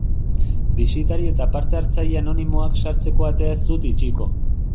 Bisitari eta parte hartzaile anonimoak sartzeko atea ez dut itxiko.